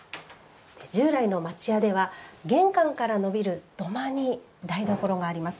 従来の町家では玄関から延びる土間に台所があります。